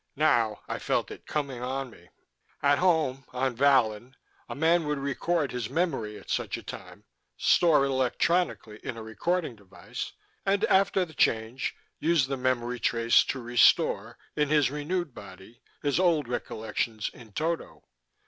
Now I felt it coming on me. "At home, on Vallon, a man would record his memory at such a time, store it electronically in a recording device, and, after the Change, use the memory trace to restore, in his renewed body, his old recollections in toto.